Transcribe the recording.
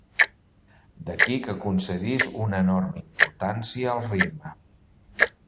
D'aquí que concedís una enorme importància al ritme.